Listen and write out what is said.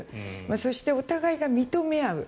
そして、お互いが認め合う。